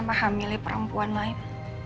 mahamili perempuan lain